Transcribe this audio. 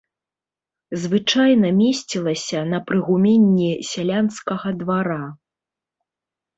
Звычайна месцілася на прыгуменні сялянскага двара.